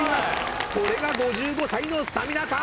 これが５５歳のスタミナか。